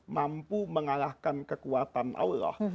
mampu mengalahkan kekuatan allah